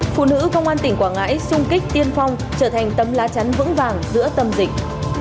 phụ nữ công an tỉnh quảng ngãi sung kích tiên phong trở thành tấm lá chắn vững vàng giữa tâm dịch